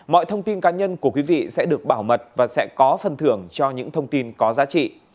mọi thông tin cá nhân của quý vị sẽ được bảo mật và sẽ có phần thưởng cho những thông tin có giá trị